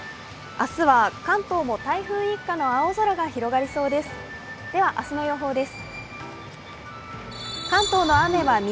明日は関東も台風一過の青空が広がりそうです。